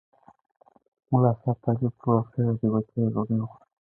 ملا صاحب طالب ته وویل خیر دی بچیه ډوډۍ وخوره.